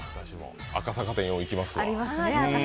赤坂店、よう行きますわ。